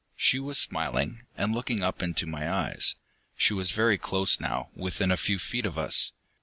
She was smiling, and looking up into my eyes. She was very close now, within a few feet of us.